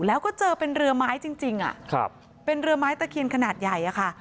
แล้วก็เจอเป็นเรือไม้จริงเป็นเรือไม้ตะเคียนขนาดใหญ่อะค่ะ